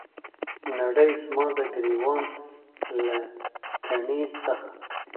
نړۍ زما د ګریوان له تڼۍ څخه